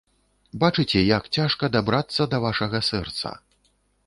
Бачыце, як цяжка дабрацца да вашага сэрца.